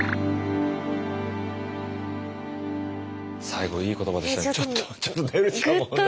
最後いい言葉でしたねちょっと。